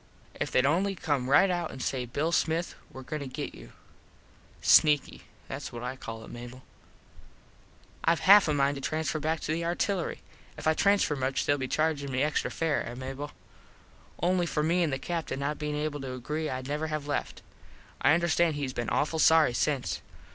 If theyd only come right out an say Bill Smith were goin to get you. Sneaky. Thats what I call it, Mable. Ive half a mind to transfer back to the artillery. If I transfer much more theyll be chargin me extra fare, eh Mable? Only for me an the Captin not bein able to agree Id never have left. I understand hes been awful sorry since.